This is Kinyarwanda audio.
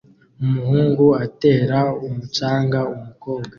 umuhungu atera umucanga umukobwa